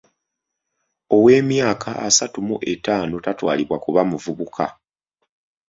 Ow'emyaka asatu mu etaano tatwalibwa kuba muvubuka.